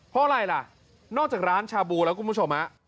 เพราะอะไรล่ะนอกจากร้านชาบูแล้วคุณผู้ชมฮะ